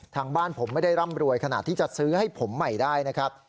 ทางบ้านผมไม่ได้ร่ำรวยขนาดที่จะซื้อให้ผมใหม่ได้นะครับ